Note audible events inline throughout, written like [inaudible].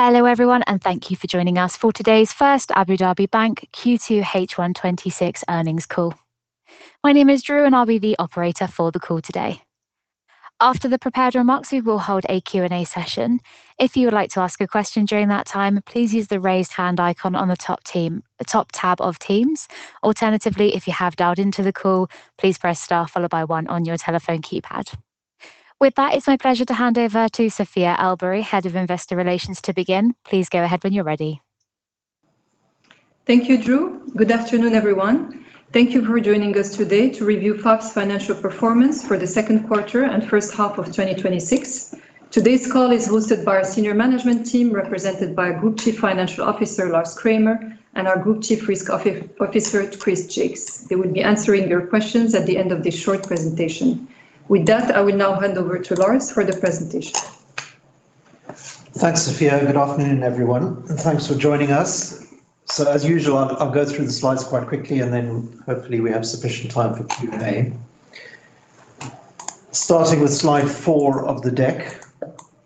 Hello, everyone. Thank you for joining us for today's First Abu Dhabi Bank Q2 H1 2026 earnings call. My name is Drew. I'll be the operator for the call today. After the prepared remarks, we will hold a Q&A session. If you would like to ask a question during that time, please use the raise hand icon on the top tab of Teams. Alternatively, if you have dialed into the call, please press star followed by one on your telephone keypad. It's my pleasure to hand over to Sofia El Boury, Head of Investor Relations, to begin. Please go ahead when you're ready. Thank you, Drew. Good afternoon, everyone. Thank you for joining us today to review FAB's financial performance for the second quarter and first half of 2026. Today's call is hosted by our senior management team, represented by Group Chief Financial Officer, Lars Kramer, and our Group Chief Risk Officer, Chris Jaques. They will be answering your questions at the end of this short presentation. I will now hand over to Lars for the presentation. Thanks, Sofia. Good afternoon, everyone. Thanks for joining us. As usual, I'll go through the slides quite quickly. Hopefully we have sufficient time for Q&A. Starting with slide four of the deck,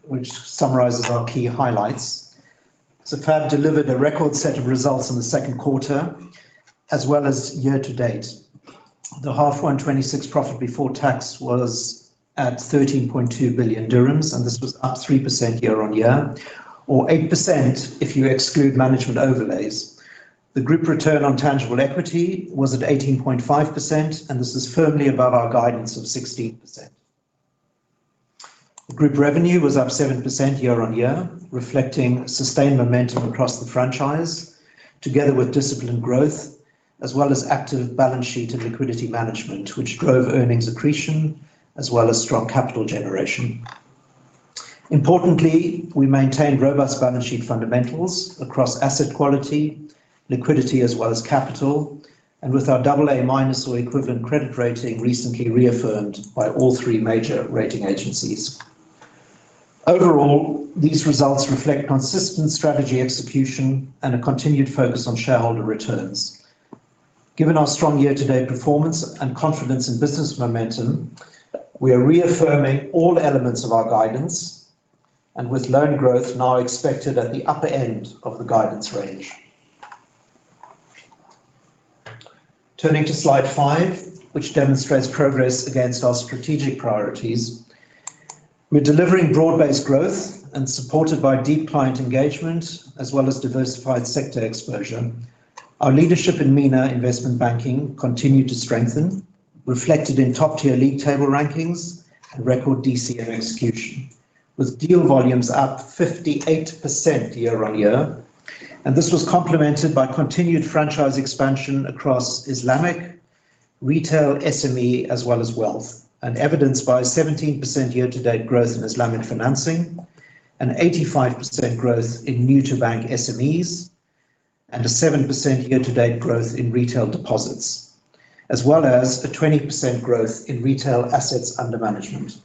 which summarizes our key highlights. FAB delivered a record set of results in the second quarter as well as year-to-date. The half-year 2026 profit before tax was at 13.2 billion dirhams. This was up 3% year-on-year, or 8% if you exclude management overlays. The group return on tangible equity was at 18.5%. This is firmly above our guidance of 16%. Group revenue was up 7% year-on-year, reflecting sustained momentum across the franchise, together with disciplined growth as well as active balance sheet and liquidity management, which drove earnings accretion as well as strong capital generation. Importantly, we maintained robust balance sheet fundamentals across asset quality, liquidity as well as capital. With our AA- or equivalent credit rating recently reaffirmed by all three major rating agencies. Overall, these results reflect consistent strategy execution and a continued focus on shareholder returns. Given our strong year-to-date performance and confidence in business momentum, we are reaffirming all elements of our guidance. With loan growth now expected at the upper end of the guidance range. Turning to slide five, which demonstrates progress against our strategic priorities. We're delivering broad-based growth, supported by deep client engagement as well as diversified sector exposure. Our leadership in MENA investment banking continued to strengthen, reflected in top-tier league table rankings and record DCM execution, with deal volumes up 58% year-on-year. This was complemented by continued franchise expansion across Islamic, retail, SME as well as wealth, evidenced by 17% year-to-date growth in Islamic financing, 85% growth in new to bank SMEs, a 7% year-to-date growth in retail deposits, as well as a 20% growth in retail assets under management.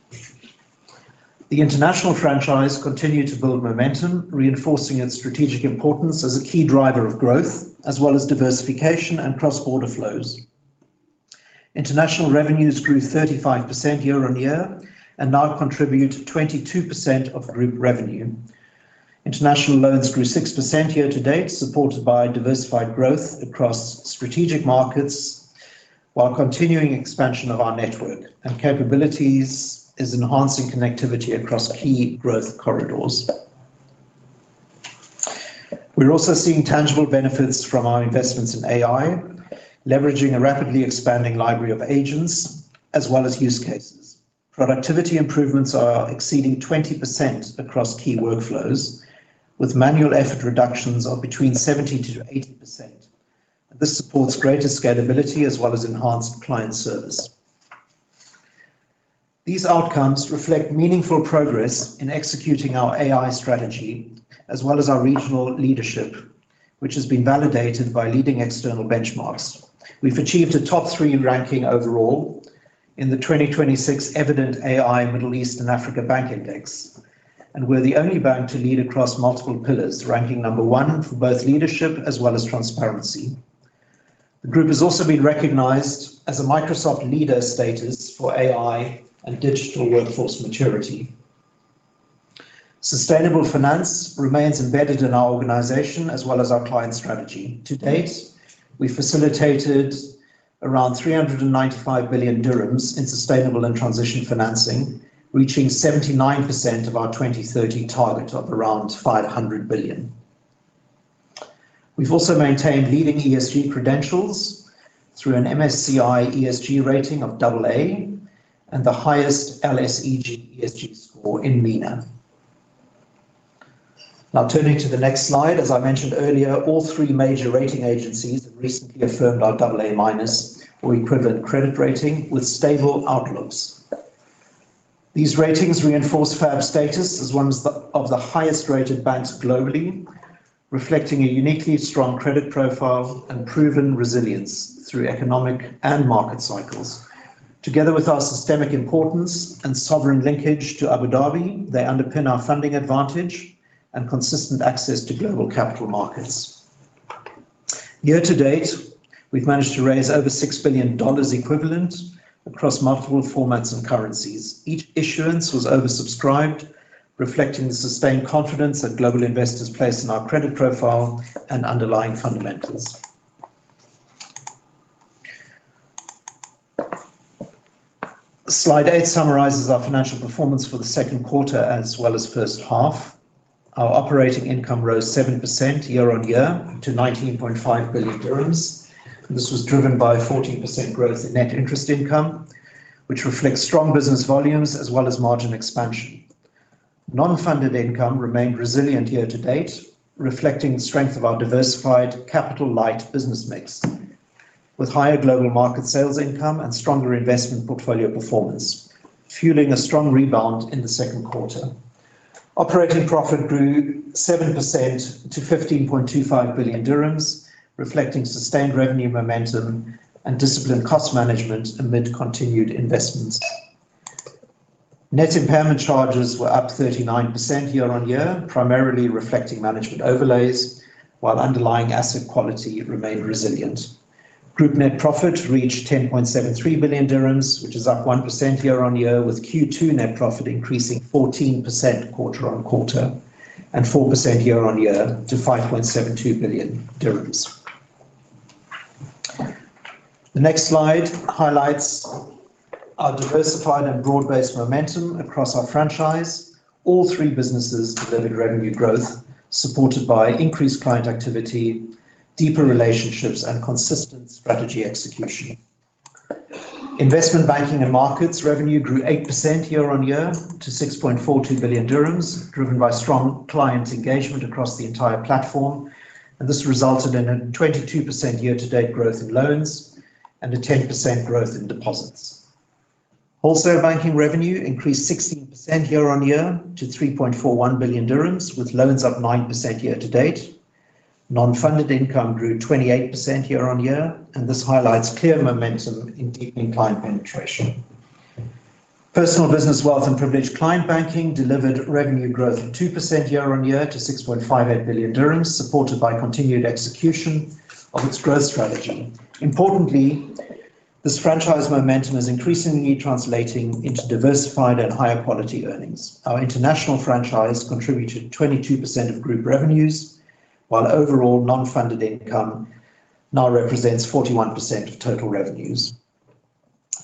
The international franchise continued to build momentum, reinforcing its strategic importance as a key driver of growth as well as diversification and cross-border flows. International revenues grew 35% year-on-year and now contribute to 22% of group revenue. International loans grew 6% year-to-date, supported by diversified growth across strategic markets while continuing expansion of our network and capabilities is enhancing connectivity across key growth corridors. We're also seeing tangible benefits from our investments in AI, leveraging a rapidly expanding library of agents as well as use cases. Productivity improvements are exceeding 20% across key workflows, with manual effort reductions of between 70%-80%. This supports greater scalability as well as enhanced client service. These outcomes reflect meaningful progress in executing our AI strategy, as well as our regional leadership, which has been validated by leading external benchmarks. We've achieved a top three ranking overall in the 2026 Evident AI Middle East & Africa Bank Index, and we're the only bank to lead across multiple pillars, ranking number one for both leadership as well as transparency. The group has also been recognized as a Microsoft leader status for AI and digital workforce maturity. Sustainable finance remains embedded in our organization as well as our client strategy. To date, we facilitated around 395 billion dirhams in sustainable and transition financing, reaching 79% of our 2030 target of around 500 billion. We've also maintained leading ESG credentials through an MSCI ESG rating of AA and the highest LSEG ESG score in MENA. Turning to the next slide. As I mentioned earlier, all three major rating agencies have recently affirmed our AA- or equivalent credit rating with stable outlooks. These ratings reinforce FAB's status as one of the highest-rated banks globally, reflecting a uniquely strong credit profile and proven resilience through economic and market cycles. Together with our systemic importance and sovereign linkage to Abu Dhabi, they underpin our funding advantage and consistent access to global capital markets. Year-to-date, we've managed to raise over $6 billion equivalent across multiple formats and currencies. Each issuance was oversubscribed, reflecting the sustained confidence that global investors place in our credit profile and underlying fundamentals. Slide eight summarizes our financial performance for the second quarter as well as first half. Our operating income rose 7% year-on-year to 19.5 billion dirhams. This was driven by a 14% growth in net interest income, which reflects strong business volumes as well as margin expansion. Non-funded income remained resilient year-to-date, reflecting the strength of our diversified capital light business mix, with higher global market sales income and stronger investment portfolio performance, fueling a strong rebound in the second quarter. Operating profit grew 7% to 15.25 billion dirhams, reflecting sustained revenue momentum and disciplined cost management amid continued investments. Net impairment charges were up 39% year-on-year, primarily reflecting management overlays, while underlying asset quality remained resilient. Group net profit reached 10.73 billion dirhams, which is up 1% year-on-year, with Q2 net profit increasing 14% quarter-on-quarter and 4% year-on-year to AED 5.72 billion. The next slide highlights our diversified and broad-based momentum across our franchise. All three businesses delivered revenue growth supported by increased client activity, deeper relationships, and consistent strategy execution. Investment banking and markets revenue grew 8% year-on-year to 6.42 billion dirhams, driven by strong client engagement across the entire platform, and this resulted in a 22% year-to-date growth in loans and a 10% growth in deposits. Wholesale banking revenue increased 16% year-on-year to 3.41 billion dirhams, with loans up 9% year-to-date. Non-funded income grew 28% year-on-year, and this highlights clear momentum in deepening client penetration. Personal business wealth and privileged client banking delivered revenue growth of 2% year-on-year to 6.58 billion dirhams, supported by continued execution of its growth strategy. Importantly, this franchise momentum is increasingly translating into diversified and higher quality earnings. Our international franchise contributed 22% of group revenues, while overall non-funded income now represents 41% of total revenues.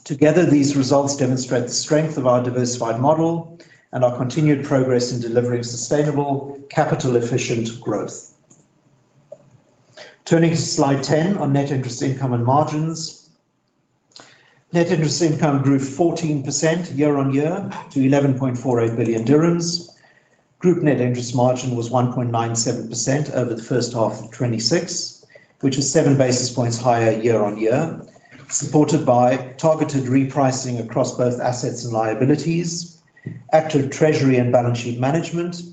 Together, these results demonstrate the strength of our diversified model and our continued progress in delivering sustainable capital efficient growth. Turning to slide 10 on net interest income and margins. Net interest income grew 14% year-on-year to 11.48 billion dirhams. Group net interest margin was 1.97% over the first half of 2026, which is 7 basis points higher year-on-year, supported by targeted repricing across both assets and liabilities, active treasury and balance sheet management,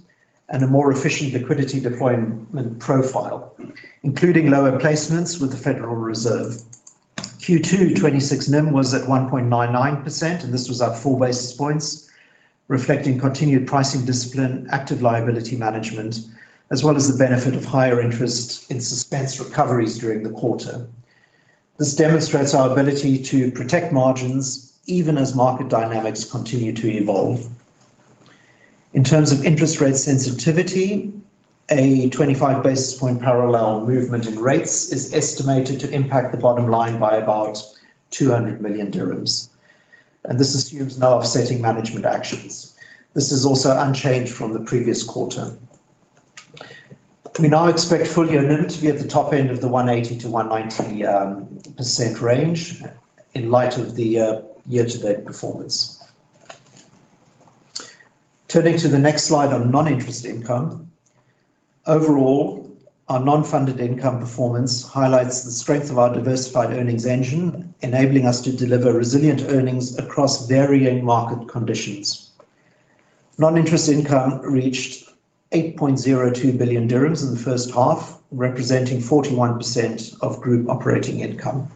and a more efficient liquidity deployment profile, including lower placements with the Federal Reserve. Q2 2026 NIM was at 1.99%, and this was up 4 basis points, reflecting continued pricing discipline, active liability management, as well as the benefit of higher interest in suspense recoveries during the quarter. This demonstrates our ability to protect margins even as market dynamics continue to evolve. In terms of interest rate sensitivity, a 25 basis point parallel movement in rates is estimated to impact the bottom line by about 200 million dirhams, and this assumes no offsetting management actions. This is also unchanged from the previous quarter. We now expect full year NIM to be at the top end of the 180%-190% range in light of the year-to-date performance. Turning to the next slide on non-interest income. Overall, our non-funded income performance highlights the strength of our diversified earnings engine, enabling us to deliver resilient earnings across varying market conditions. Non-interest income reached 8.02 billion dirhams in the first half, representing 41% of group operating income.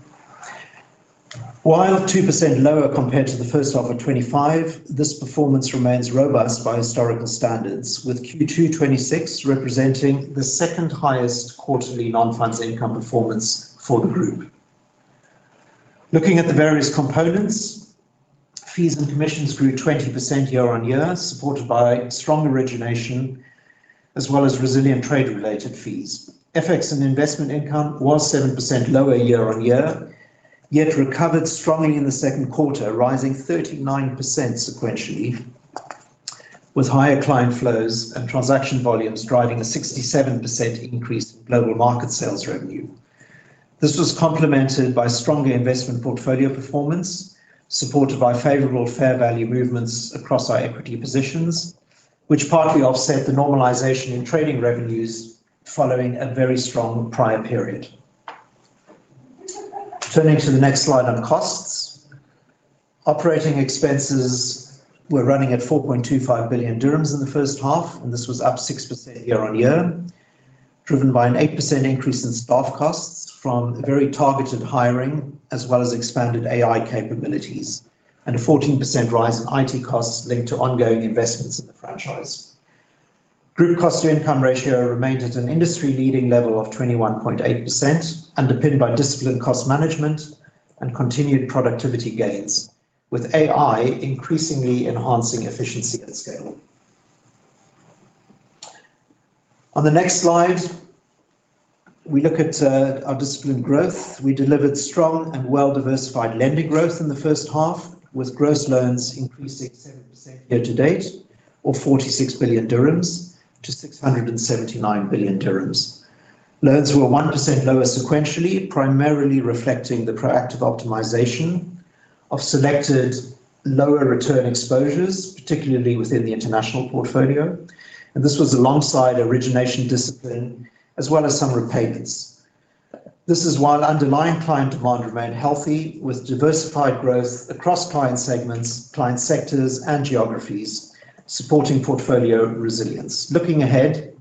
While 2% lower compared to the first half of 2025, this performance remains robust by historical standards, with Q2 2026 representing the second highest quarterly non-funds income performance for the group. Looking at the various components, fees and commissions grew 20% year-on-year, supported by strong origination as well as resilient trade-related fees. FX and investment income was 7% lower year-on-year, yet recovered strongly in the second quarter, rising 39% sequentially, with higher client flows and transaction volumes driving a 67% increase in global market sales revenue. This was complemented by stronger investment portfolio performance, supported by favorable fair value movements across our equity positions, which partly offset the normalization in trading revenues following a very strong prior period. Turning to the next slide on costs. Operating expenses were running at 4.25 billion dirhams in the first half, and this was up 6% year-on-year, driven by an 8% increase in staff costs from very targeted hiring, as well as expanded AI capabilities and a 14% rise in IT costs linked to ongoing investments in the franchise. Group cost-to-income ratio remains at an industry-leading level of 21.8%, underpinned by disciplined cost management and continued productivity gains, with AI increasingly enhancing efficiency at scale. On the next slide, we look at our disciplined growth. We delivered strong and well-diversified lending growth in the first half, with gross loans increasing 7% year-to-date, or 46 billion-679 billion dirhams. Loans were 1% lower sequentially, primarily reflecting the proactive optimization of selected lower return exposures, particularly within the international portfolio, and this was alongside origination discipline as well as some repayments. This is while underlying client demand remained healthy, with diversified growth across client segments, client sectors, and geographies, supporting portfolio resilience. Looking ahead,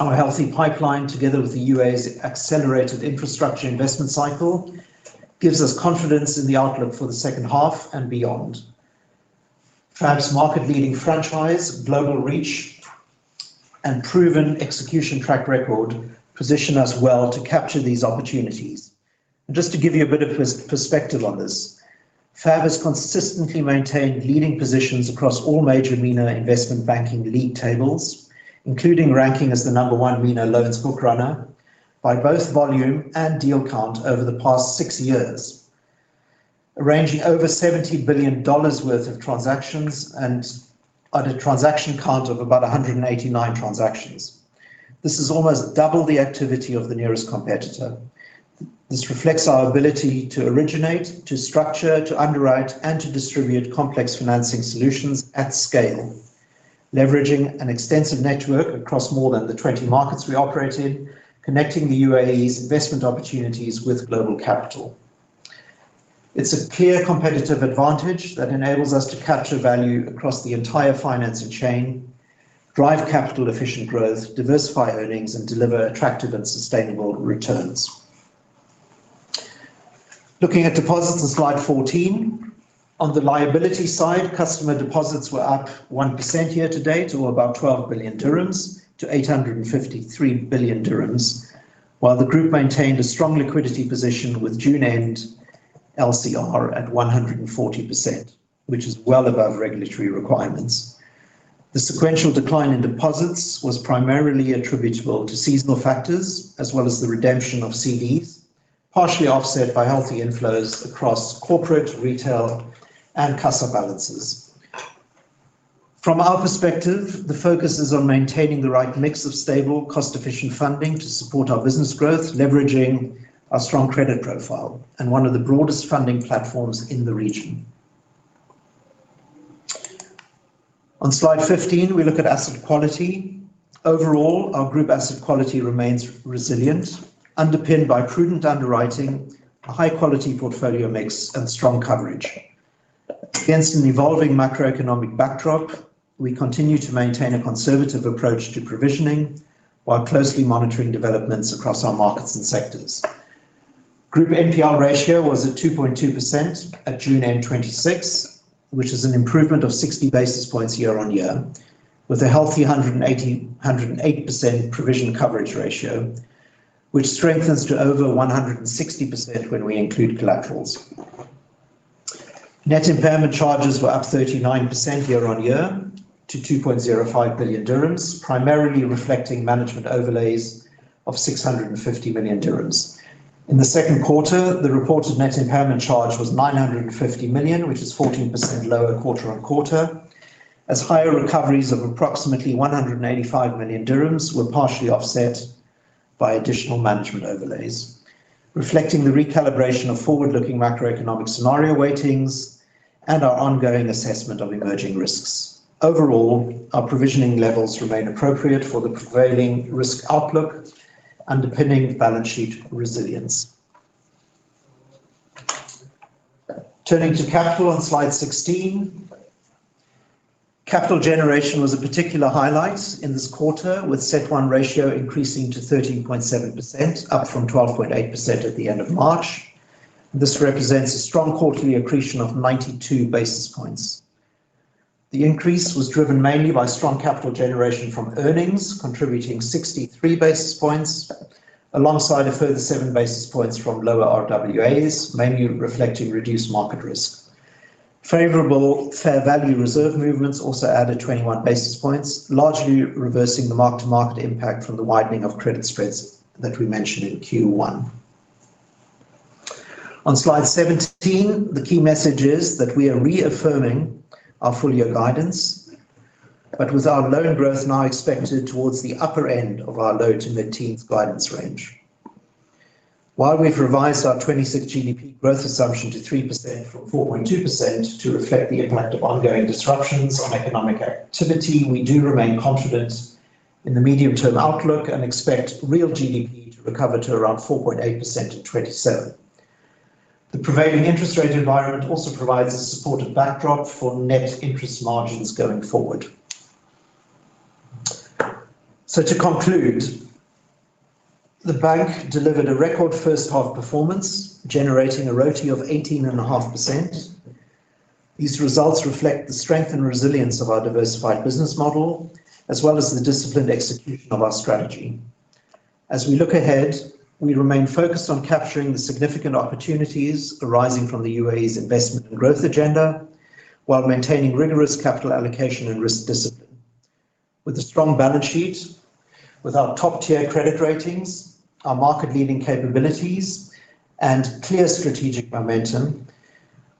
our healthy pipeline, together with the U.A.E.'s accelerated infrastructure investment cycle, gives us confidence in the outlook for the second half and beyond. FAB's market-leading franchise, global reach, and proven execution track record position us well to capture these opportunities. Just to give you a bit of perspective on this, FAB has consistently maintained leading positions across all major MENA investment banking league tables, including ranking as the number one MENA loans book runner by both volume and deal count over the past six years, arranging over $70 billion worth of transactions and at a transaction count of about 189 transactions. This is almost double the activity of the nearest competitor. This reflects our ability to originate, to structure, to underwrite, and to distribute complex financing solutions at scale, leveraging an extensive network across more than the 20 markets we operate in, connecting the U.A.E.'s investment opportunities with global capital. It's a clear competitive advantage that enables us to capture value across the entire financing chain, drive capital-efficient growth, diversify earnings, and deliver attractive and sustainable returns. Looking at deposits on slide 14, on the liability side, customer deposits were up 1% year-to-date, or about 12 billion-853 billion dirhams. While the group maintained a strong liquidity position with June-end LCR at 140%, which is well above regulatory requirements. The sequential decline in deposits was primarily attributable to seasonal factors as well as the redemption of CDs, partially offset by healthy inflows across corporate, retail, and CASA balances. From our perspective, the focus is on maintaining the right mix of stable, cost-efficient funding to support our business growth, leveraging our strong credit profile and one of the broadest funding platforms in the region. On slide 15, we look at asset quality. Overall, our group asset quality remains resilient, underpinned by prudent underwriting, a high-quality portfolio mix, and strong coverage. Against an evolving macroeconomic backdrop, we continue to maintain a conservative approach to provisioning while closely monitoring developments across our markets and sectors. Group NPL ratio was at 2.2% at June-end 2026, which is an improvement of 60 basis points year-on-year, with a healthy 108% provision coverage ratio, which strengthens to over 160% when we include collaterals. Net impairment charges were up 39% year-on-year to 2.05 billion dirhams, primarily reflecting management overlays of 650 million dirhams. In the second quarter, the reported net impairment charge was 950 million, which is 14% lower quarter-on-quarter, as higher recoveries of approximately 185 million dirhams were partially offset by additional management overlays, reflecting the recalibration of forward-looking macroeconomic scenario weightings and our ongoing assessment of emerging risks. Overall, our provisioning levels remain appropriate for the prevailing risk outlook underpinning balance sheet resilience. Turning to capital on slide 16. Capital generation was a particular highlight in this quarter, with CET1 ratio increasing to 13.7%, up from 12.8% at the end of March. This represents a strong quarterly accretion of 92 basis points. The increase was driven mainly by strong capital generation from earnings contributing 63 basis points, alongside a further 7 basis points from lower RWAs, mainly reflecting reduced market risk. Favorable fair value reserve movements also added 21 basis points, largely reversing the mark-to-market impact from the widening of credit spreads that we mentioned in Q1. On slide 17, the key message is that we are reaffirming our full-year guidance, with our loan growth now expected towards the upper end of our low- to mid-teens guidance range. While we've revised our 2026 GDP growth assumption to 3% from 4.2% to reflect the impact of ongoing disruptions on economic activity. We do remain confident in the medium-term outlook and expect real GDP to recover to around 4.8% in 2027. To conclude, the bank delivered a record first half performance, generating a RoTE of 18.5%. These results reflect the strength and resilience of our diversified business model, as well as the disciplined execution of our strategy. As we look ahead, we remain focused on capturing the significant opportunities arising from the U.A.E.'s investment and growth agenda, while maintaining rigorous capital allocation and risk discipline. With a strong balance sheet, with our top-tier credit ratings, our market-leading capabilities, and clear strategic momentum,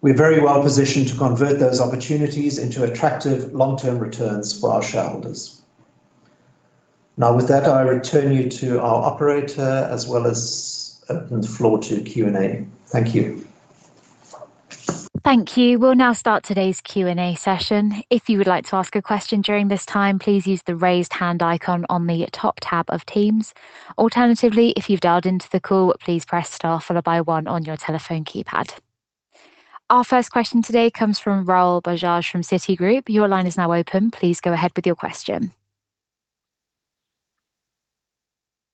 we are very well positioned to convert those opportunities into attractive long-term returns for our shareholders. Now, with that, I return you to our operator as well as open the floor to Q&A. Thank you. Thank you. We'll now start today's Q&A session. If you would like to ask a question during this time, please use the raise hand icon on the top tab of Teams. Alternatively, if you've dialed into the call, please press star followed by one on your telephone keypad. Our first question today comes from Rahul Bajaj from Citigroup. Your line is now open. Please go ahead with your question.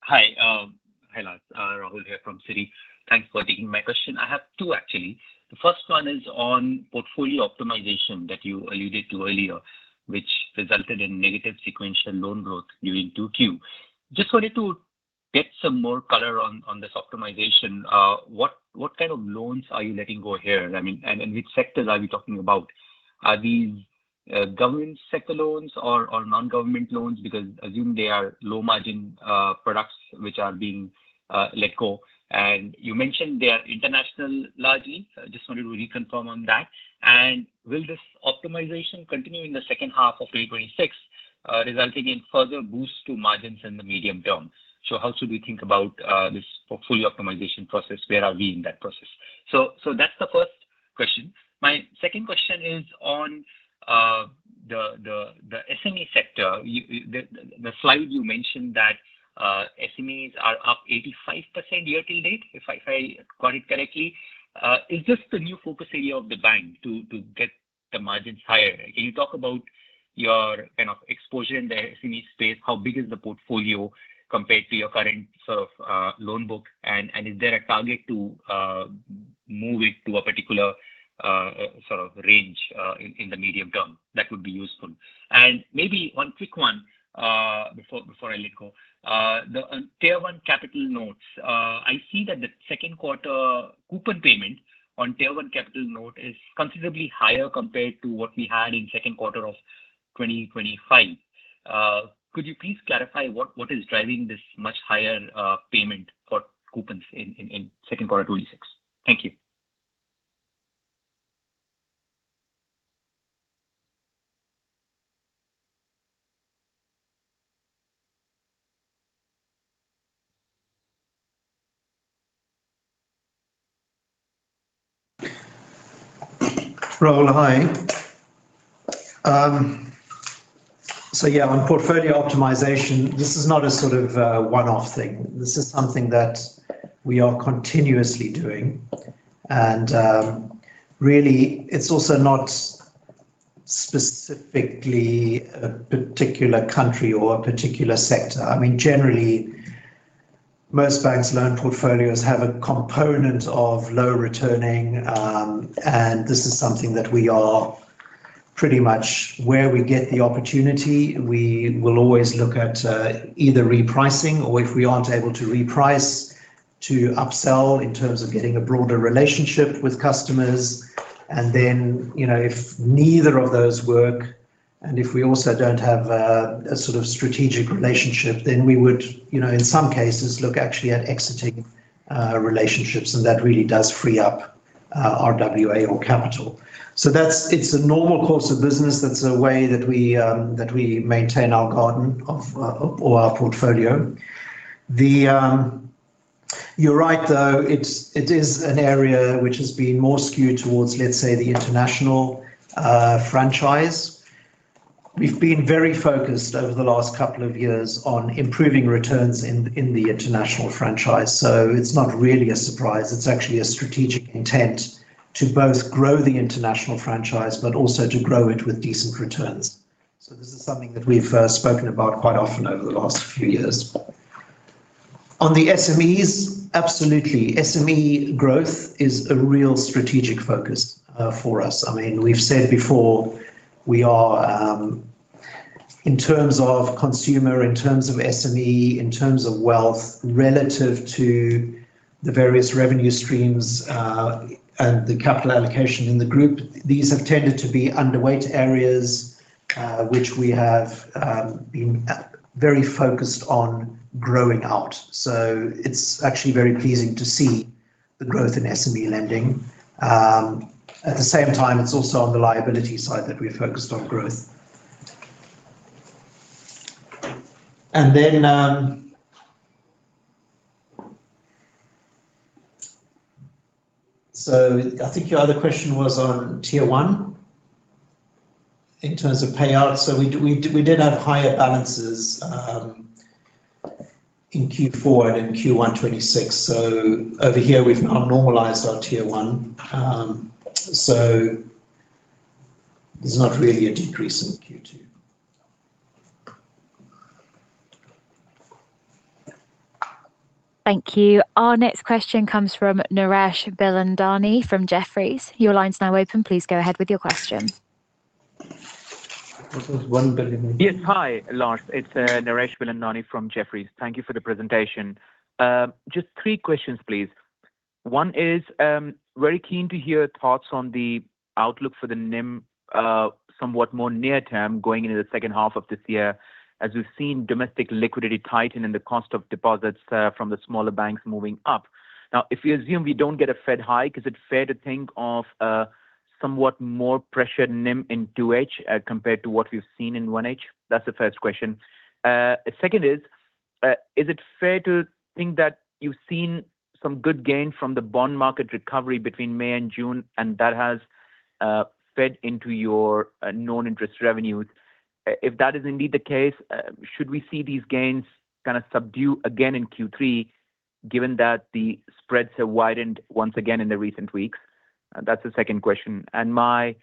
Hi. Hi, Lars. Rahul here from Citi. Thanks for taking my question. I have two, actually. The first one is on portfolio optimization that you alluded to earlier, which resulted in negative sequential loan growth during 2Q. Just wanted to get some more color on this optimization. What kind of loans are you letting go here? Which sectors are we talking about? Are these government sector loans or non-government loans, because I assume they are low-margin products, which are being let go. You mentioned they are international largely. Just wanted to reconfirm on that. Will this optimization continue in the second half of 2026, resulting in further boost to margins in the medium term? How should we think about this portfolio optimization process? Where are we in that process? That's the first question. My second question is on the SME sector. The slide you mentioned that SMEs are up 85% year-to-date, if I got it correctly. Is this the new focus area of the bank to get the margins higher? Can you talk about your exposure in the SME space? How big is the portfolio compared to your current loan book? Is there a target to move it to a particular range in the medium term? That would be useful. Maybe one quick one before I let go. On Tier 1 capital notes, I see that the second quarter coupon payment on Tier 1 capital note is considerably higher compared to what we had in second quarter of 2025. Could you please clarify what is driving this much higher payment for coupons in second quarter 2026? Thank you. Rahul, hi. On portfolio optimization, this is not a one-off thing. This is something that we are continuously doing. Really, it's also not specifically a particular country or a particular sector. Generally, most banks' loan portfolios have a component of low returning, and this is something that we are pretty much where we get the opportunity, we will always look at either repricing or if we aren't able to reprice, to upsell in terms of getting a broader relationship with customers. If neither of those work, and if we also don't have a strategic relationship, then we would, in some cases, look actually at exiting relationships, and that really does free up our RWA or capital. It's a normal course of business. That's a way that we maintain our garden or our portfolio. You're right, though, it is an area which has been more skewed towards, let's say, the international franchise. We've been very focused over the last couple of years on improving returns in the international franchise. It's not really a surprise. It's actually a strategic intent to both grow the international franchise, but also to grow it with decent returns. This is something that we've spoken about quite often over the last few years. On the SMEs, absolutely. SME growth is a real strategic focus for us. We've said before, we are, in terms of consumer, in terms of SME, in terms of wealth relative to the various revenue streams and the capital allocation in the group, these have tended to be underweight areas, which we have been very focused on growing out. It's actually very pleasing to see the growth in SME lending. At the same time, it's also on the liability side that we're focused on growth. I think your other question was on Tier 1 in terms of payouts. We did have higher balances in Q4 and in Q1 2026. Over here, we've normalized our Tier 1. There's not really a decrease in Q2. Thank you. Our next question comes from Naresh Bilandani from Jefferies. Your line's now open. Please go ahead with your question. [inaudible] Yes. Hi, Lars. It's Naresh Bilandani from Jefferies. Thank you for the presentation. Just three questions, please. One is, very keen to hear thoughts on the outlook for the NIM somewhat more near term going into the second half of this year, as we've seen domestic liquidity tighten and the cost of deposits from the smaller banks moving up. If we assume we don't get a Fed hike, is it fair to think of somewhat more pressured NIM in 2H compared to what we've seen in 1H? That's the first question. Second is it fair to think that you've seen some good gain from the bond market recovery between May and June, and that has Fed into your non-interest revenues? If that is indeed the case, should we see these gains kind of subdue again in Q3 given that the spreads have widened once again in the recent weeks? That's the second question. My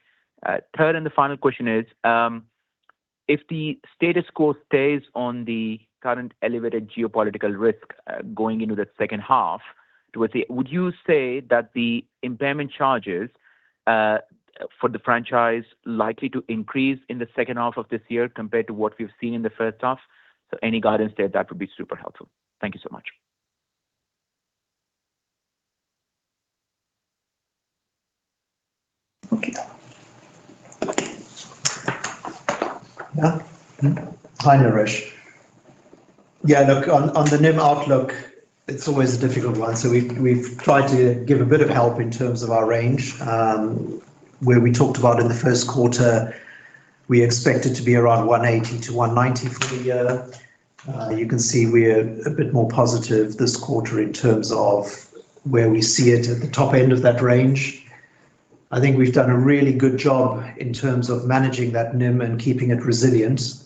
third and the final question is, if the status quo stays on the current elevated geopolitical risk going into the second half, would you say that the impairment charges for the franchise likely to increase in the second half of this year compared to what we've seen in the first half? Any guidance there, that would be super helpful. Thank you so much. Okay. Hi, Naresh. Yeah, look, on the NIM outlook, it's always a difficult one. We've tried to give a bit of help in terms of our range, where we talked about in the first quarter, we expect it to be around 180%-190% for the year. You can see we're a bit more positive this quarter in terms of where we see it at the top end of that range. I think we've done a really good job in terms of managing that NIM and keeping it resilient,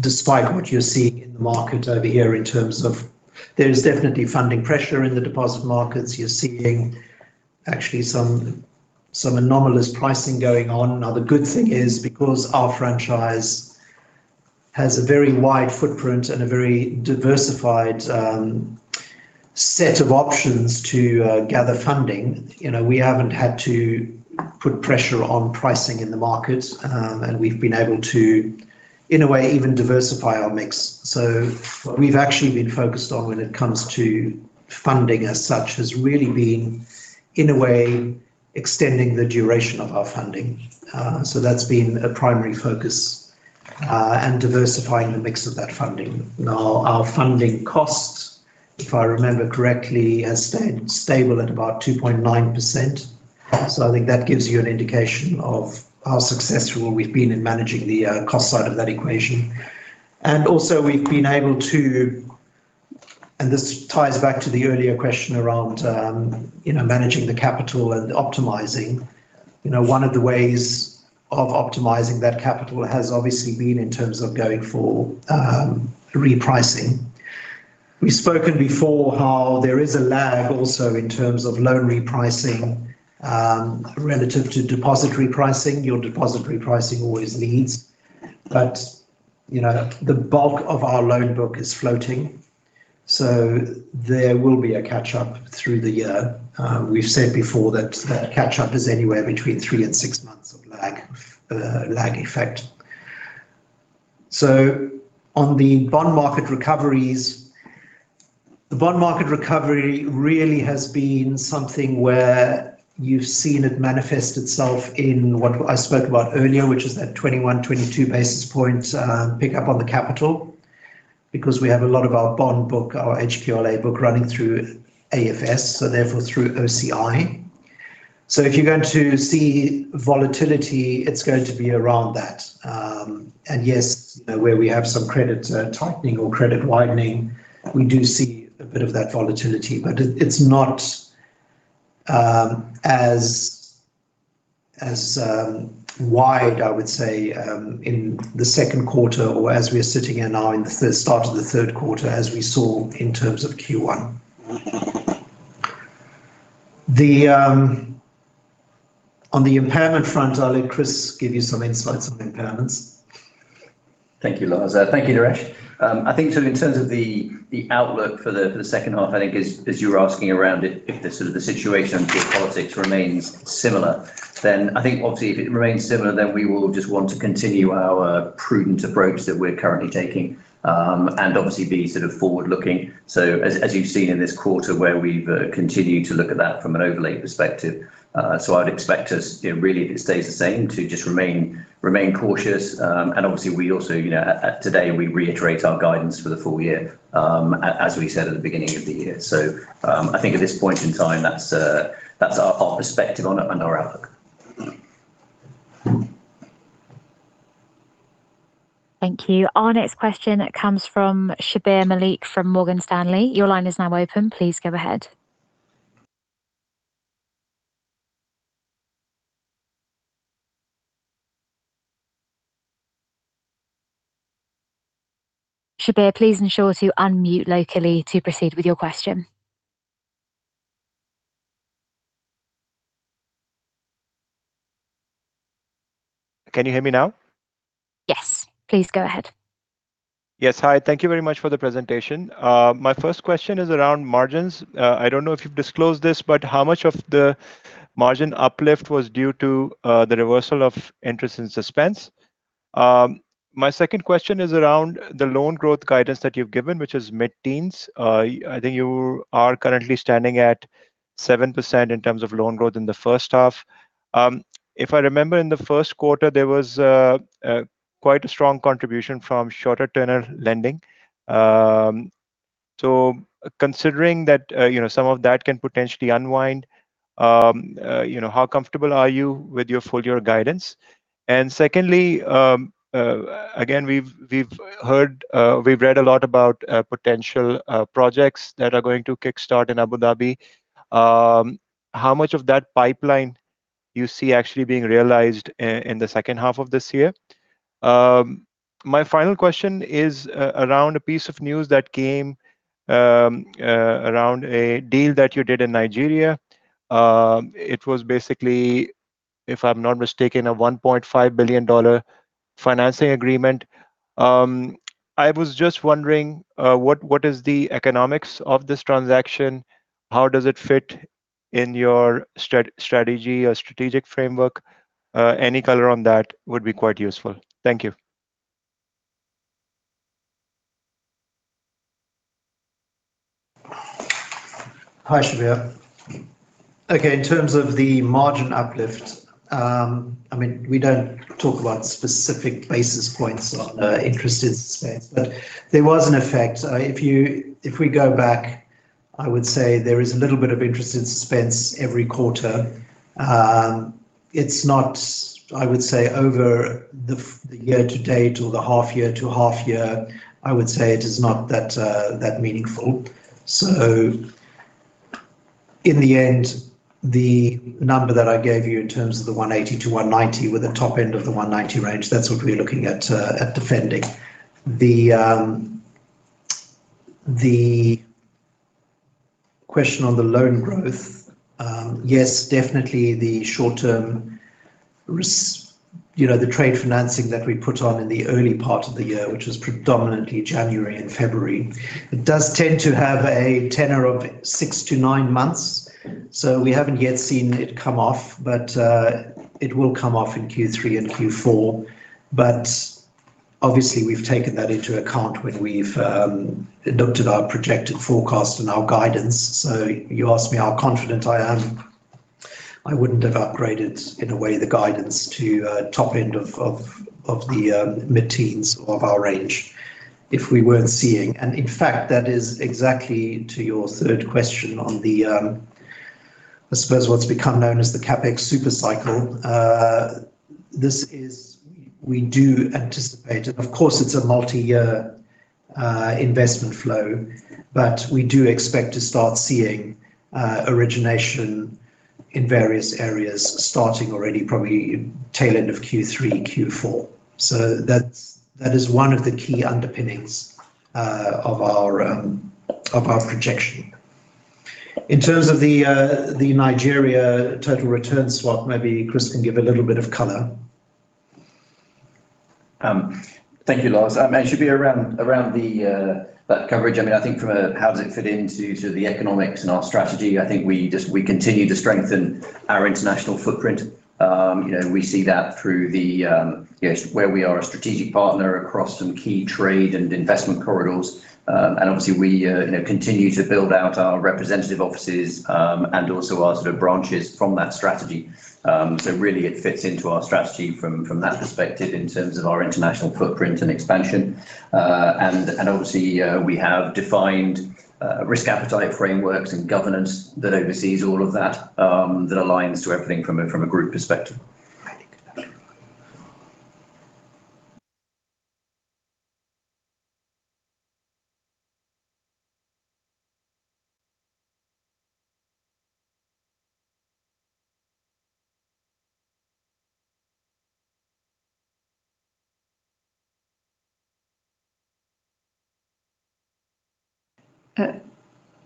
despite what you're seeing in the market over here in terms of there is definitely funding pressure in the deposit markets. You're seeing actually some anomalous pricing going on. The good thing is because our franchise has a very wide footprint and a very diversified set of options to gather funding. We haven't had to put pressure on pricing in the market, and we've been able to, in a way, even diversify our mix. What we've actually been focused on when it comes to funding as such has really been, in a way, extending the duration of our funding. That's been a primary focus, and diversifying the mix of that funding. Our funding costs, if I remember correctly, are stable at about 2.9%. I think that gives you an indication of how successful we've been in managing the cost side of that equation. Also we've been able to, and this ties back to the earlier question around managing the capital and optimizing. One of the ways of optimizing that capital has obviously been in terms of going for repricing. We've spoken before how there is a lag also in terms of loan repricing relative to deposit repricing. Your deposit repricing always leads. The bulk of our loan book is floating, so there will be a catch-up through the year. We've said before that that catch-up is anywhere between three and six months of lag effect. On the bond market recoveries, the bond market recovery really has been something where you've seen it manifest itself in what I spoke about earlier, which is that 21 basis points, 22 basis points pick up on the capital because we have a lot of our bond book, our HQLA book running through AFS, so therefore through OCI. If you're going to see volatility, it's going to be around that. Yes, where we have some credit tightening or credit widening, we do see a bit of that volatility. It's not as wide, I would say, in the second quarter or as we are sitting here now in the start of the third quarter as we saw in terms of Q1. On the impairment front, I'll let Chris give you some insights on impairments. Thank you, Lars. Thank you, Naresh. I think in terms of the outlook for the second half, I think as you were asking around if the situation for politics remains similar, I think obviously if it remains similar, we will just want to continue our prudent approach that we're currently taking, and obviously be forward-looking. As you've seen in this quarter where we've continued to look at that from an overlay perspective. I'd expect us, really if it stays the same, to just remain cautious. Obviously we also, today we reiterate our guidance for the full year, as we said at the beginning of the year. I think at this point in time, that's our perspective on it and our outlook. Thank you. Our next question comes from Shabbir Malik from Morgan Stanley. Your line is now open. Please go ahead. Shabbir, please ensure to unmute locally to proceed with your question. Can you hear me now? Yes. Please go ahead. Yes. Hi. Thank you very much for the presentation. My first question is around margins. I don't know if you've disclosed this, but how much of the margin uplift was due to the reversal of interest in suspense? My second question is around the loan growth guidance that you've given, which is mid-teens. I think you are currently standing at 7% in terms of loan growth in the first half. Considering that some of that can potentially unwind, how comfortable are you with your full-year guidance? Secondly, again, we've read a lot about potential projects that are going to kickstart in Abu Dhabi. How much of that pipeline you see actually being realized in the second half of this year? My final question is around a piece of news that came around a deal that you did in Nigeria. It was basically, if I'm not mistaken, a $1.5 billion financing agreement. I was just wondering, what is the economics of this transaction? How does it fit in your strategy or strategic framework? Any color on that would be quite useful. Thank you. Hi, Shabbir. In terms of the margin uplift, we don't talk about specific basis points on interest in suspense, but there was an effect. If we go back, I would say there is a little bit of interest in suspense every quarter. I would say over the year to date or the half year to half year, I would say it is not that meaningful. In the end, the number that I gave you in terms of the 180%-190% with the top end of the 190% range, that's what we're looking at defending. The question on the loan growth, yes, definitely the short-term risk, the trade financing that we put on in the early part of the year, which was predominantly January and February, it does tend to have a tenor of six to nine months. We haven't yet seen it come off, but it will come off in Q3 and Q4. Obviously, we've taken that into account when we've adopted our projected forecast and our guidance. You asked me how confident I am. I wouldn't have upgraded, in a way, the guidance to top end of the mid-teens of our range if we weren't seeing. In fact, that is exactly to your third question on the, I suppose what's become known as the CapEx super cycle. We do anticipate, and of course, it's a multi-year investment flow, but we do expect to start seeing origination in various areas starting already probably tail end of Q3, Q4. That is one of the key underpinnings of our projection. In terms of the Nigeria total return swap, maybe Chris can give a little bit of color. Thank you, Lars. Shabbir, around that coverage, I think from how does it fit into the economics and our strategy, I think we continue to strengthen our international footprint. We see that through where we are a strategic partner across some key trade and investment corridors. Obviously, we continue to build out our representative offices and also our branches from that strategy. Really it fits into our strategy from that perspective in terms of our international footprint and expansion. Obviously, we have defined risk appetite frameworks and governance that oversees all of that aligns to everything from a group perspective.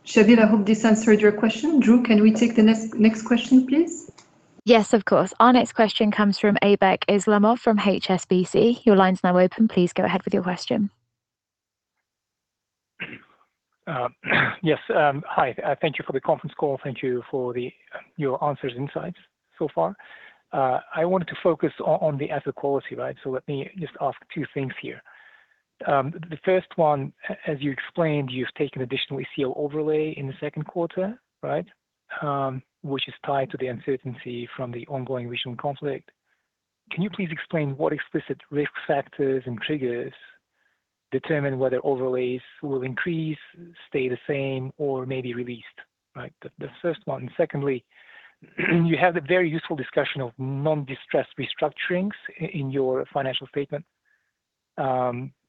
Shabbir, I hope this answered your question. Drew, can we take the next question, please? Yes, of course. Our next question comes from Aybek Islamov from HSBC. Your line's now open. Please go ahead with your question. Yes. Hi. Thank you for the conference call. Thank you for your answers and insights so far. I wanted to focus on the asset quality. Let me just ask two things here. The first one, as you explained, you've taken additional ECL overlay in the second quarter, which is tied to the uncertainty from the ongoing regional conflict. Can you please explain what explicit risk factors and triggers determine whether overlays will increase, stay the same, or may be released? That's the first one. Secondly, you have a very useful discussion of non-distressed restructurings in your financial statement.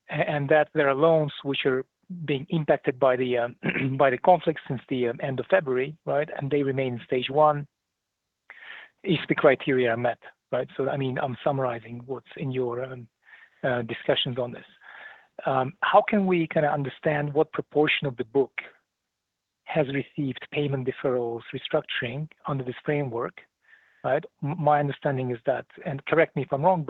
There are loans which are being impacted by the conflict since the end of February, and they remain in Stage 1 if the criteria are met. I'm summarizing what's in your discussions on this. How can we understand what proportion of the book has received payment deferrals restructuring under this framework? My understanding is that, correct me if I'm wrong,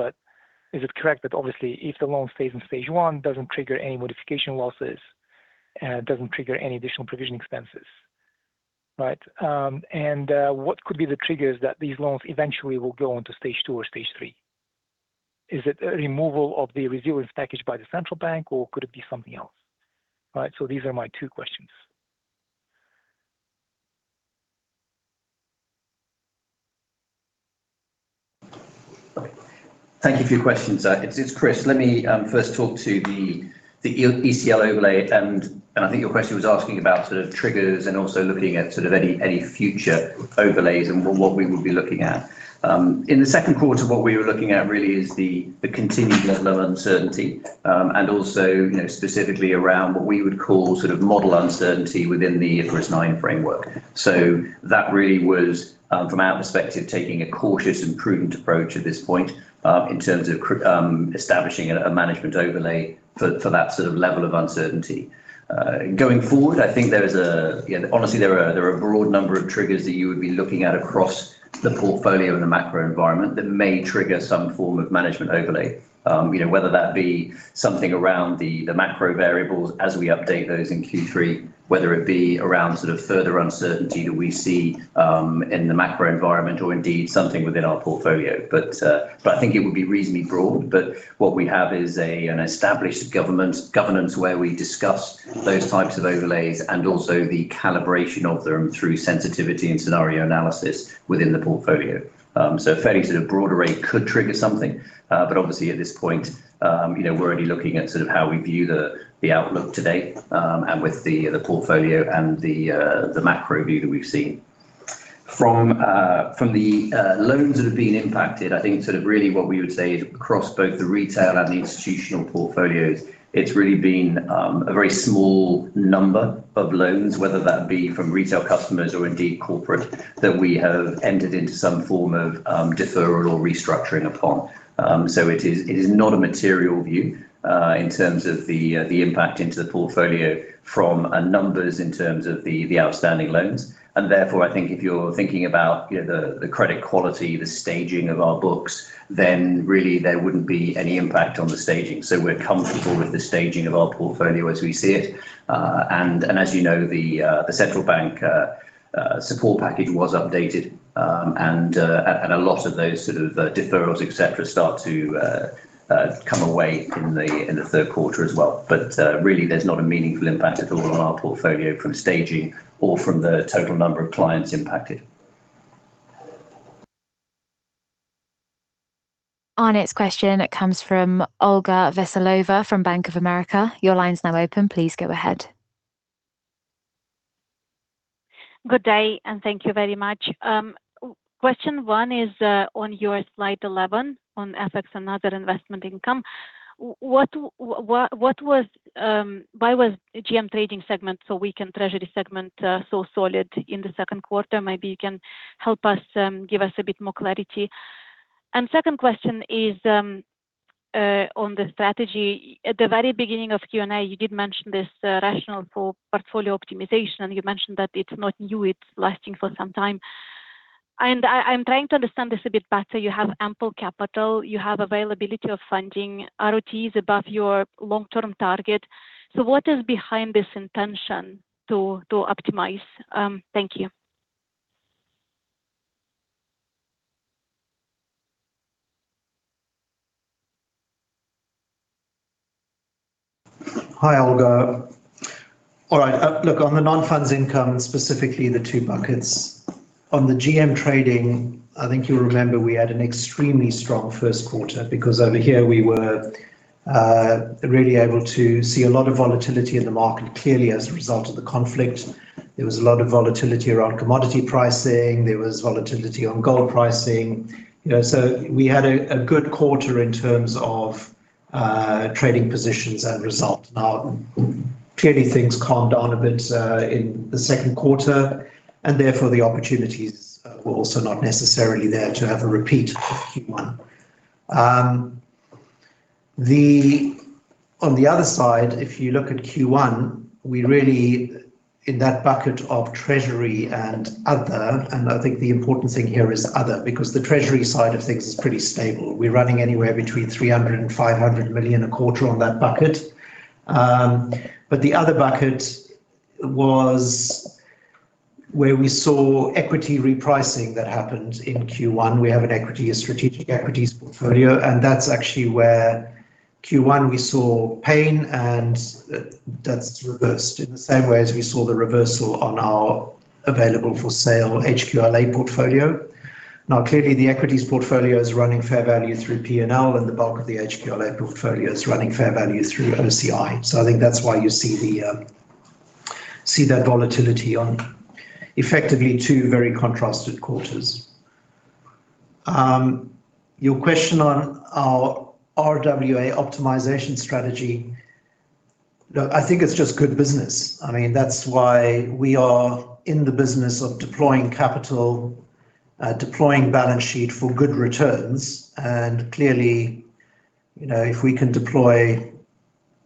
is it correct that obviously if the loan stays in Stage 1, it doesn't trigger any modification losses, and it doesn't trigger any additional provisioning expenses. Right? What could be the triggers that these loans eventually will go on to Stage 2 or Stage 3? Is it a removal of the Resilience Package by the Central Bank, or could it be something else? These are my two questions. Thank you for your questions. It's Chris. Let me first talk to the ECL overlay. I think your question was asking about triggers and also looking at any future overlays and what we will be looking at. In the second quarter, what we were looking at really is the continued level of uncertainty, and also specifically around what we would call model uncertainty within the IFRS 9 framework. That really was, from our perspective, taking a cautious and prudent approach at this point, in terms of establishing a management overlay for that sort of level of uncertainty. Going forward, I think honestly, there are a broad number of triggers that you would be looking at across the portfolio in the macro environment that may trigger some form of management overlay. Whether that be something around the macro variables as we update those in Q3, whether it be around further uncertainty that we see in the macro environment or indeed something within our portfolio. I think it would be reasonably broad, what we have is an established governance where we discuss those types of overlays and also the calibration of them through sensitivity and scenario analysis within the portfolio. A fairly broad array could trigger something. Obviously at this point, we're only looking at how we view the outlook to date, and with the portfolio and the macro view that we've seen. From the loans that have been impacted, I think really what we would say is across both the retail and the institutional portfolios, it's really been a very small number of loans, whether that be from retail customers or indeed corporate. That we have entered into some form of deferral or restructuring upon. It is not a material view, in terms of the impact into the portfolio from numbers in terms of the outstanding loans. Therefore, I think if you're thinking about the credit quality, the staging of our books, then really there wouldn't be any impact on the staging. We're comfortable with the staging of our portfolio as we see it. As you know, the Central Bank support package was updated, and a lot of those sort of deferrals, et cetera, start to come away in the third quarter as well. Really there's not a meaningful impact at all on our portfolio from staging or from the total number of clients impacted. Our next question comes from Olga Veselova from Bank of America. Your line's now open. Please go ahead. Good day, thank you very much. Question one is on your slide 11 on FX and other investment income. Why was GM trading segment, so weakened treasury segment so solid in the second quarter? Maybe you can help us, give us a bit more clarity. Second question is on the strategy. At the very beginning of Q&A, you did mention this rationale for portfolio optimization, and you mentioned that it's not new, it's lasting for some time. I'm trying to understand this a bit better. You have ample capital, you have availability of funding. RoTE is above your long-term target. What is behind this intention to optimize? Thank you. Hi, Olga. All right, look, on the non-funds income, specifically the two buckets. On the GM trading, I think you'll remember we had an extremely strong first quarter because over here we were really able to see a lot of volatility in the market. As a result of the conflict, there was a lot of volatility around commodity pricing. There was volatility on gold pricing. We had a good quarter in terms of trading positions and results. Clearly things calmed down a bit in the second quarter, and therefore the opportunities were also not necessarily there to have a repeat of Q1. On the other side, if you look at Q1, we really in that bucket of treasury and other, and I think the important thing here is other, because the treasury side of things is pretty stable. We're running anywhere between 300 million and 500 million a quarter on that bucket. The other bucket was where we saw equity repricing that happened in Q1. We have a strategic equities portfolio, and that's actually where Q1 we saw pain and that's reversed in the same way as we saw the reversal on our available for sale HQLA portfolio. Clearly the equities portfolio is running fair value through P&L and the bulk of the HQLA portfolio is running fair value through OCI. I think that's why you see that volatility on effectively two very contrasted quarters. Your question on our RWA optimization strategy. Look, I think it's just good business. That's why we are in the business of deploying capital, deploying balance sheet for good returns. Clearly, if we can deploy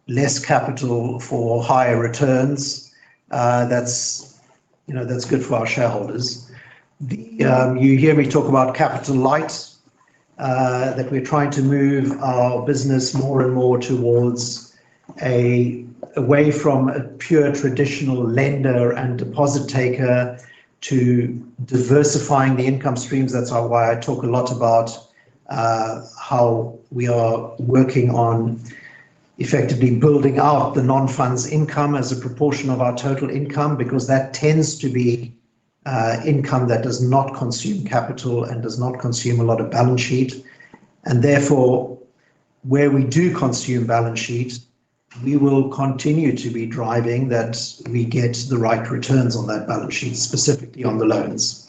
less capital for higher returns, that's good for our shareholders. You hear me talk about capital light, that we're trying to move our business more and more away from a pure traditional lender and deposit taker to diversifying the income streams. That's why I talk a lot about how we are working on effectively building out the non-funds income as a proportion of our total income, because that tends to be income that does not consume capital and does not consume a lot of balance sheet. Therefore, where we do consume balance sheet, we will continue to be driving that we get the right returns on that balance sheet, specifically on the loans.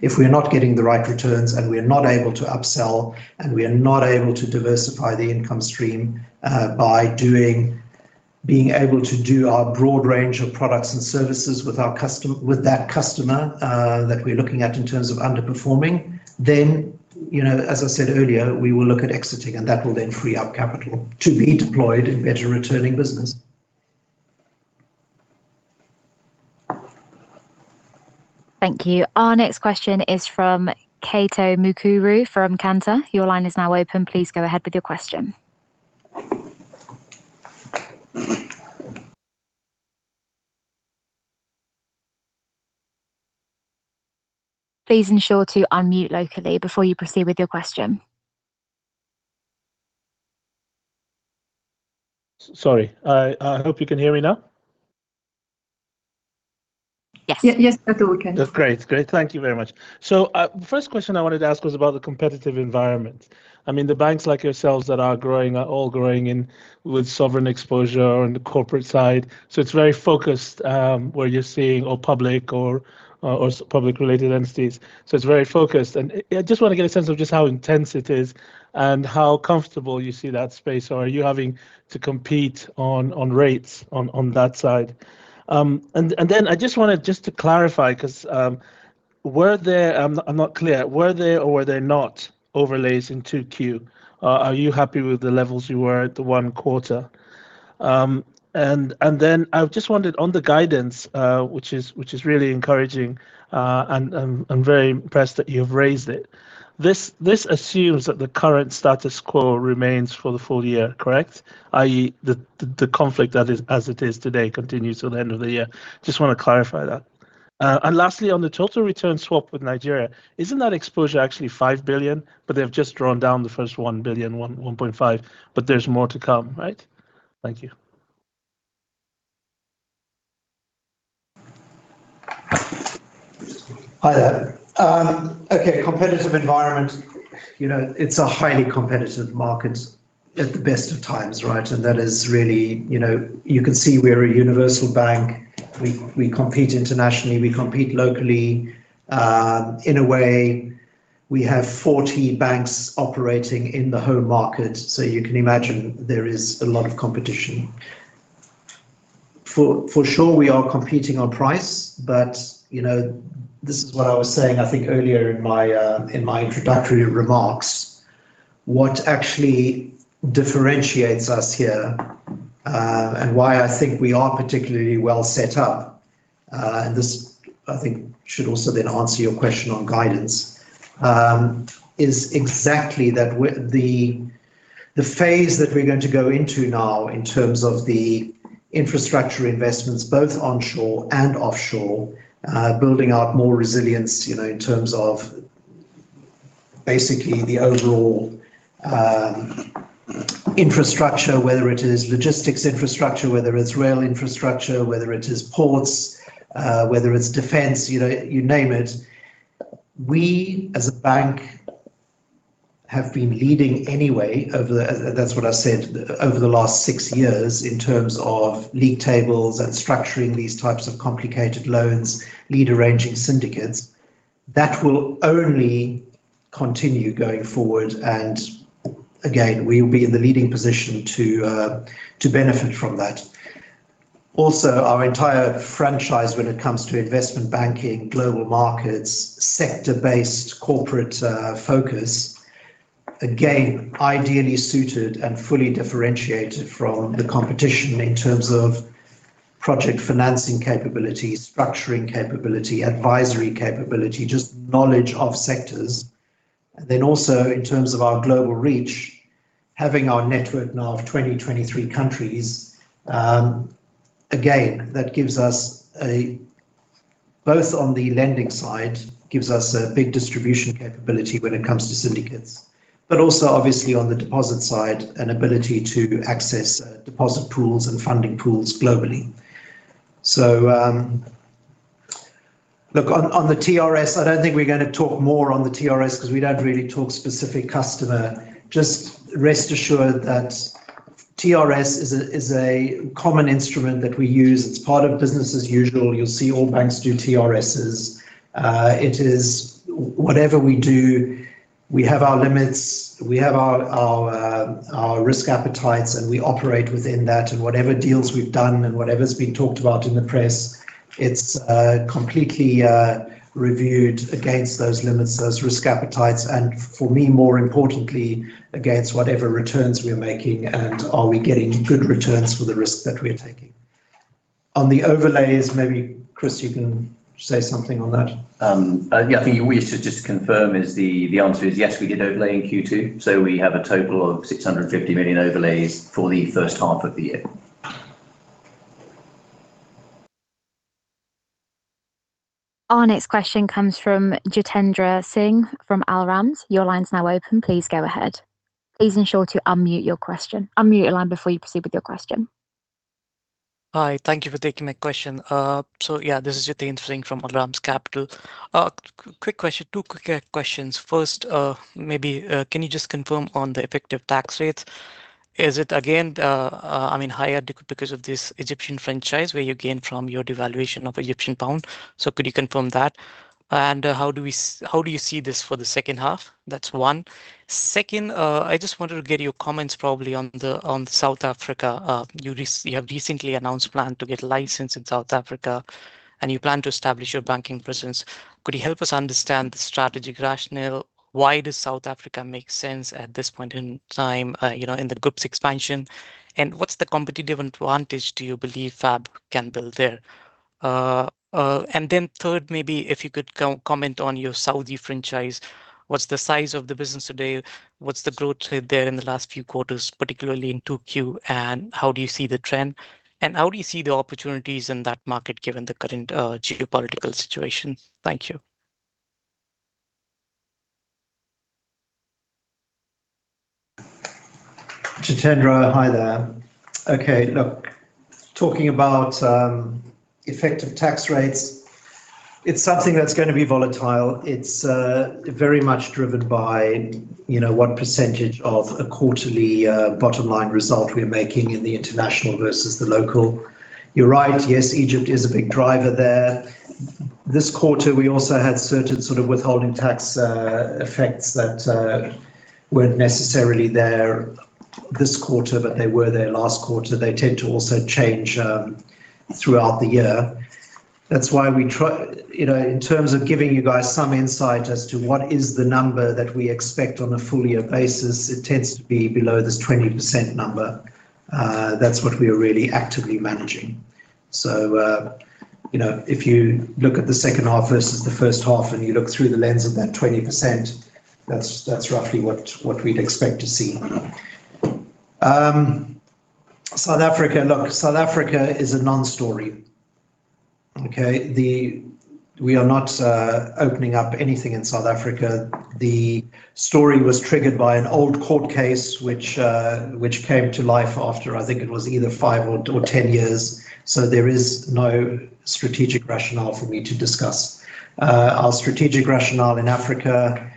If we're not getting the right returns and we are not able to upsell, and we are not able to diversify the income stream by being able to do our broad range of products and services with that customer that we're looking at in terms of underperforming, as I said earlier, we will look at exiting, and that will then free up capital to be deployed in better returning business. Thank you. Our next question is from Kato Mukuru from Cantor. Your line is now open. Please go ahead with your question. Please ensure to unmute locally before you proceed with your question. Sorry. I hope you can hear me now. Yes. Yes, Kato, we can. That's great. Thank you very much. First question I wanted to ask was about the competitive environment. The banks like yourselves that are growing, are all growing in with sovereign exposure on the corporate side. It's very focused, where you're seeing, or public or public-related entities. It's very focused. I just want to get a sense of just how intense it is and how comfortable you see that space. Are you having to compete on rates on that side? I just wanted just to clarify, because I'm not clear. Were there or were there not overlays in 2Q? Are you happy with the levels you were at the one quarter? I just wondered on the guidance, which is really encouraging, and I'm very impressed that you've raised it. This assumes that the current status quo remains for the full year, correct? The conflict as it is today continues till the end of the year. Just want to clarify that. Lastly, on the total return swap with Nigeria, isn't that exposure actually 5 billion? They've just drawn down the first 1 billion, 1.5 billion, but there's more to come, right? Thank you. Hi there. Okay. Competitive environment. It's a highly competitive market at the best of times, right? You can see we're a universal bank. We compete internationally, we compete locally. In a way, we have 40 banks operating in the home market. You can imagine there is a lot of competition. For sure, we are competing on price, but this is what I was saying, I think, earlier in my introductory remarks. What actually differentiates us here, why I think we are particularly well set up, this I think should also then answer your question on guidance, is exactly that the phase that we're going to go into now in terms of the infrastructure investments, both onshore and offshore, building out more resilience in terms of basically the overall infrastructure, whether it is logistics infrastructure, whether it's rail infrastructure, whether it is ports, whether it's defense, you name it. We, as a bank, have been leading anyway, that's what I said, over the last six years in terms of league tables and structuring these types of complicated loans, lead arranging syndicates. That will only continue going forward. Again, we will be in the leading position to benefit from that. Also, our entire franchise when it comes to investment banking, global markets, sector-based corporate focus, again, ideally suited and fully differentiated from the competition in terms of project financing capability, structuring capability, advisory capability, just knowledge of sectors. Also in terms of our global reach, having our network now of 20-23 countries, again, both on the lending side, gives us a big distribution capability when it comes to syndicates. Also obviously on the deposit side, an ability to access deposit pools and funding pools globally. Look, on the TRS, I don't think we're going to talk more on the TRS because we don't really talk specific customer. Just rest assured that TRS is a common instrument that we use. It's part of business as usual. You'll see all banks do TRSs. Whatever we do. We have our limits, we have our risk appetites, and we operate within that. Whatever deals we've done and whatever's been talked about in the press, it's completely reviewed against those limits, those risk appetites, and for me, more importantly, against whatever returns we are making and are we getting good returns for the risk that we are taking. On the overlays, Chris, you can say something on that. I think we used to just confirm is the answer is yes, we did overlay in Q2. We have a total of 650 million overlays for the first half of the year. Our next question comes from Jitendra Singh from Al Ramz. Your line's now open. Please go ahead. Please ensure to unmute your question. Unmute your line before you proceed with your question. Hi. Thank you for taking my question. This is Jitendra Singh from Al Ramz Capital. Quick question. Two quick questions. First, can you just confirm on the effective tax rates? Is it, again, higher because of this Egyptian franchise where you gain from your devaluation of Egyptian pound? Could you confirm that? How do you see this for the second half? That's one. Second, I just wanted to get your comments on South Africa. You have recently announced plan to get license in South Africa, and you plan to establish your banking presence. Could you help us understand the strategic rationale? Why does South Africa make sense at this point in time, in the group's expansion? What's the competitive advantage do you believe FAB can build there? Third, if you could comment on your Saudi franchise. What's the size of the business today? What's the growth there in the last few quarters, particularly in 2Q? How do you see the trend? How do you see the opportunities in that market given the current geopolitical situation? Thank you. Jitendra, hi there. Okay, look, talking about effective tax rates, it's something that's going to be volatile. It's very much driven by what percentage of a quarterly bottom line result we are making in the international versus the local. You're right. Yes, Egypt is a big driver there. This quarter, we also had certain sort of withholding tax effects that weren't necessarily there this quarter, but they were there last quarter. They tend to also change throughout the year. That's why in terms of giving you guys some insight as to what is the number that we expect on a full year basis, it tends to be below this 20% number. That's what we are really actively managing. If you look at the second half versus the first half and you look through the lens of that 20%, that's roughly what we'd expect to see. South Africa, look, South Africa is a non-story, okay? We are not opening up anything in South Africa. The story was triggered by an old court case which came to life after, I think it was either five or 10 years. There is no strategic rationale for me to discuss. Our strategic rationale in Africa,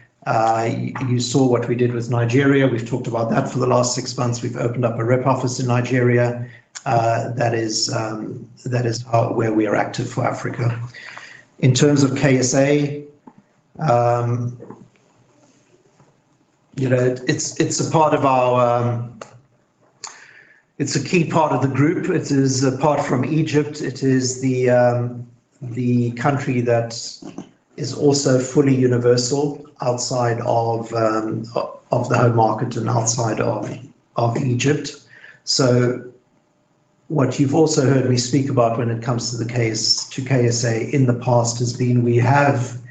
you saw what we did with Nigeria. We've talked about that for the last six months. We've opened up a rep office in Nigeria. That is where we are active for Africa. In terms of KSA, it's a key part of the group. Apart from Egypt, it is the country that is also fully universal outside of the home market and outside of Egypt. What you've also heard me speak about when it comes to KSA in the past has been we have,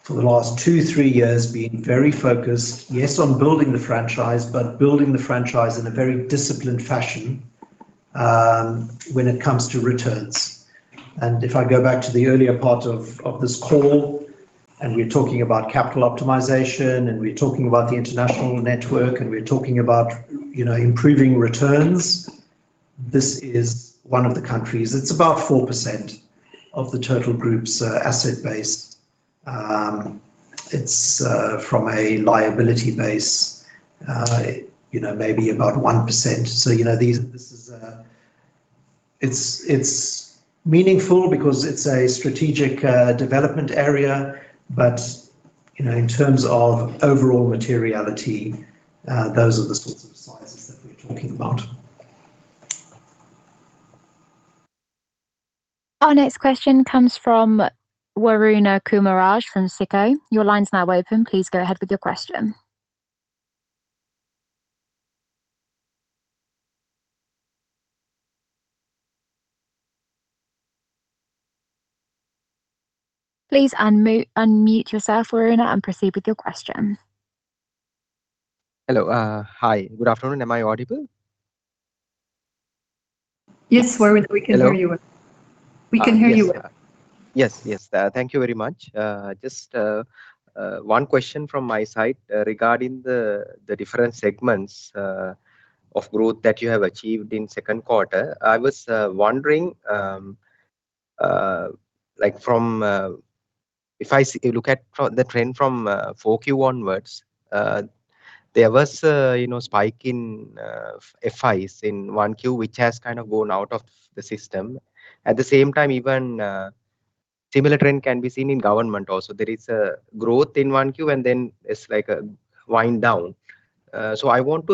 for the last two, three years, been very focused, yes, on building the franchise, but building the franchise in a very disciplined fashion when it comes to returns. If I go back to the earlier part of this call, and we're talking about capital optimization, and we're talking about the international network, and we're talking about improving returns, this is one of the countries. It's about 4% of the total group's asset base. It's from a liability base, maybe about 1%. It's meaningful because it's a strategic development area, but, in terms of overall materiality, those are the sorts of sizes that we're talking about. Our next question comes from Waruna Kumarage from SICO. Your line's now open. Please go ahead with your question. Please unmute yourself, Waruna, and proceed with your question. Hello. Hi. Good afternoon. Am I audible? Yes, Waruna, we can hear you well. Hello. We can hear you well. Yes. Thank you very much. Just one question from my side regarding the different segments of growth that you have achieved in second quarter. I was wondering, if I look at the trend from 4Q onwards. There was a spike in FIs in 1Q, which has kind of gone out of the system. At the same time, even a similar trend can be seen in government also. There is a growth in 1Q, then it's like a wind down. I want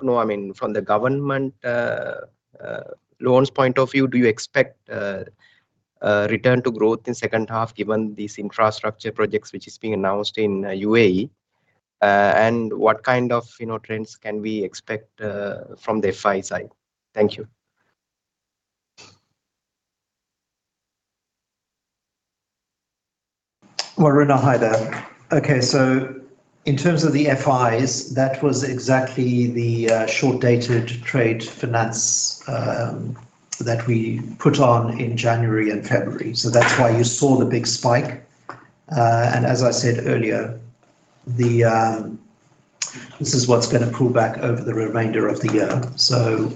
to know from the government loans point of view, do you expect a return to growth in second half given these infrastructure projects which is being announced in U.A.E.? What kind of trends can we expect from the FI side? Thank you. Well, Waruna, hi there. In terms of the FIs, that was exactly the short-dated trade finance that we put on in January and February. That's why you saw the big spike. As I said earlier, this is what's going to pull back over the remainder of the year.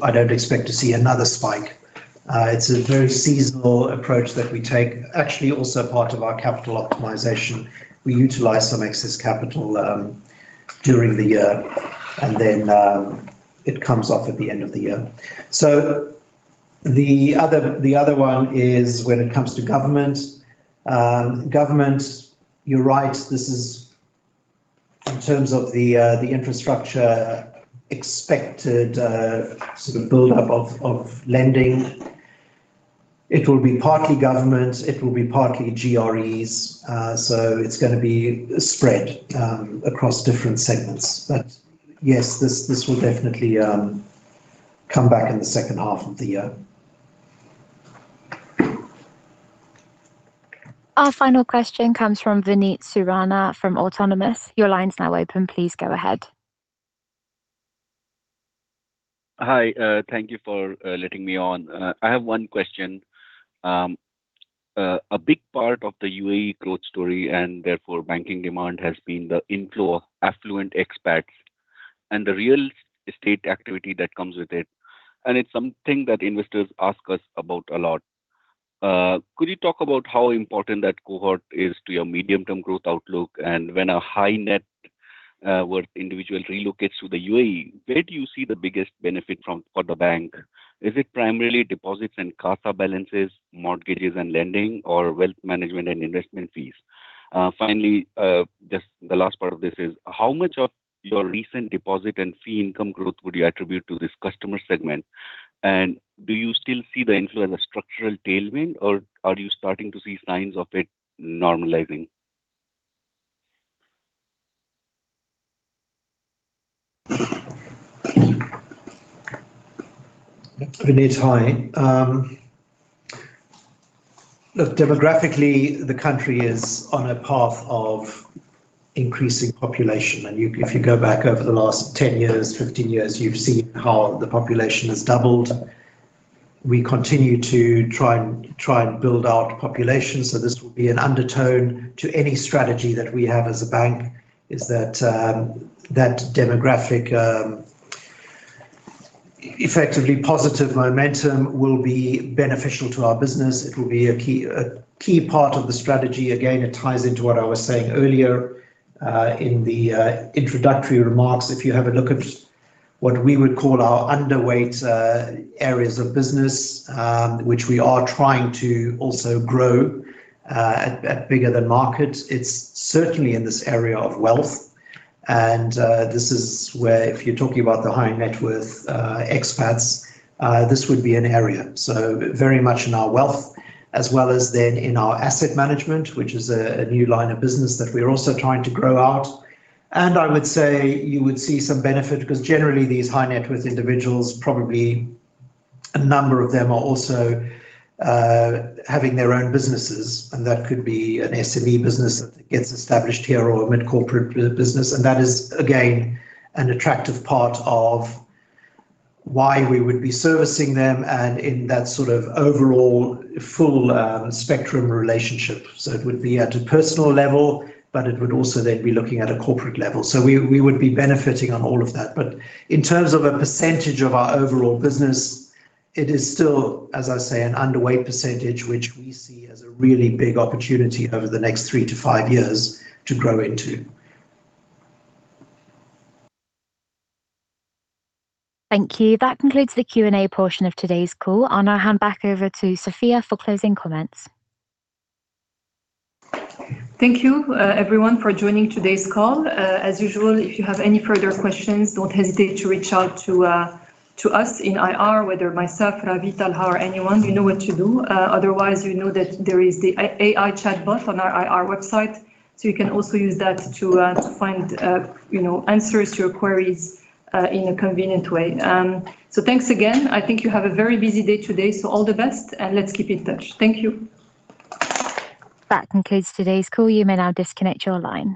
I don't expect to see another spike. It's a very seasonal approach that we take. Actually, also part of our capital optimization. We utilize some excess capital during the year, then it comes off at the end of the year. The other one is when it comes to government. Government, you're right, this is in terms of the infrastructure expected sort of build-up of lending. It will be partly government, it will be partly GREs. It's going to be spread across different segments. Yes, this will definitely come back in the second half of the year. Our final question comes from Vineet Surana from Autonomous. Your line's now open. Please go ahead. Hi. Thank you for letting me on. I have one question. A big part of the U.A.E. growth story and therefore banking demand has been the inflow of affluent expats and the real estate activity that comes with it, and it's something that investors ask us about a lot. Could you talk about how important that cohort is to your medium-term growth outlook? When a high-net-worth individual relocates to the U.A.E., where do you see the biggest benefit for the bank? Is it primarily deposits and CASA balances, mortgages and lending, or wealth management and investment fees? Finally, just the last part of this is, how much of your recent deposit and fee income growth would you attribute to this customer segment? Do you still see the inflow as a structural tailwind, or are you starting to see signs of it normalizing? Vineet, hi. Look, demographically, the country is on a path of increasing population. If you go back over the last 10 years, 15 years, you've seen how the population has doubled. We continue to try and build out population, this will be an undertone to any strategy that we have as a bank, is that demographic effectively positive momentum will be beneficial to our business. It will be a key part of the strategy. Again, it ties into what I was saying earlier in the introductory remarks. If you have a look at what we would call our underweight areas of business, which we are trying to also grow at bigger than market, it's certainly in this area of wealth. This is where if you're talking about the high-net-worth expats, this would be an area. Very much in our wealth as well as then in our asset management, which is a new line of business that we're also trying to grow out. I would say you would see some benefit because generally these high-net-worth individuals, probably a number of them are also having their own businesses, and that could be an SME business that gets established here or a mid-corporate business. That is, again, an attractive part of why we would be servicing them and in that sort of overall full spectrum relationship. It would be at a personal level, but it would also then be looking at a corporate level. We would be benefiting on all of that. In terms of a percentage of our overall business, it is still, as I say, an underweight percentage, which we see as a really big opportunity over the next three to five years to grow into. Thank you. That concludes the Q&A portion of today's call. I'll now hand back over to Sofia for closing comments. Thank you, everyone, for joining today's call. As usual, if you have any further questions, don't hesitate to reach out to us in IR, whether myself, Ravi, Talha, or anyone, you know what to do. Otherwise, you know that there is the AI chatbot on our IR website, so you can also use that to find answers to your queries in a convenient way. Thanks again. I think you have a very busy day today, so all the best, and let's keep in touch. Thank you. That concludes today's call. You may now disconnect your line.